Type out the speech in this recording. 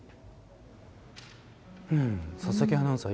佐々木アナウンサー